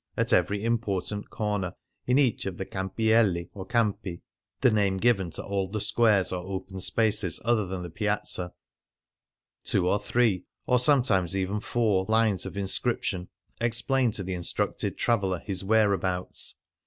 At every important corner, in each of the ccmipiell% or campi (the name given to all the squares or open spaces other than the Piazza), two or three, or sometimes even four, lines of inscription explain to the instructed traveller his where abouts.